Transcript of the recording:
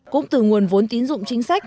cũng từ nguồn vốn tín dụng chính sách